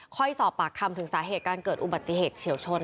สอบปากคำถึงสาเหตุการเกิดอุบัติเหตุเฉียวชน